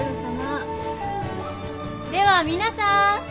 では皆さん！